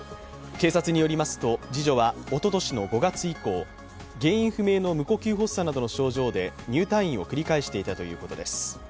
警察によりますと、次女はおととしの５月以降、原因不明の無呼吸発作などの症状で入退院を繰り返していたということです。